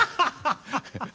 ハハハハハ。